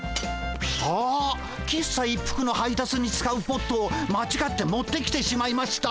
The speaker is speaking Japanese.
ああ喫茶一服の配達に使うポットを間違って持ってきてしまいました。